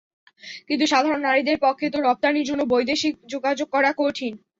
কিন্তু সাধারণ নারীদের পক্ষে তো রপ্তানির জন্য বৈদেশিক যোগাযোগ করা কঠিন।